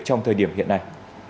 trong thời điểm hiện nay